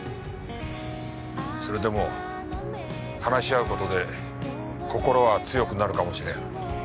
それでも話し合う事で心は強くなるかもしれん。